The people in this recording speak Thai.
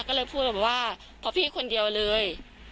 ก็เลยพูดแบบว่าพอพี่คนเดียวเลย